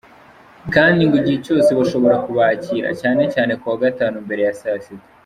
Kandi ngo igihe cyose bashobora kubakira, cyane cyane kuwa gatanu mbere ya saa sita.